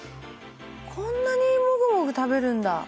こんなにもぐもぐ食べるんだ。